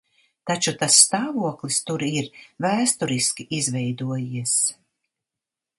Taču tas stāvoklis tur ir vēsturiski izveidojies.